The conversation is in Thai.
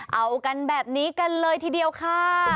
เอากันแบบนี้กันเลยทีเดียวค่ะ